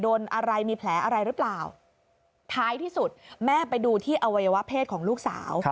โดนอะไรมีแผลอะไรหรือเปล่าท้ายที่สุดแม่ไปดูที่อวัยวะเพศของลูกสาว